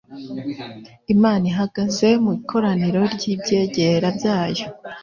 Imana ihagaze mu ikoraniro ry’ibyegera byayo